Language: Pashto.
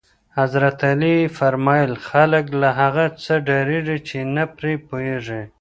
حضرت علی فرمایل: خلک له هغه څه ډارېږي چې نه پرې پوهېږي.